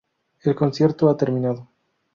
El concierto ha terminado.